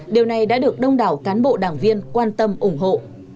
điều này đã được đông đảo cán bộ đảng viên quan tâm ủng hộ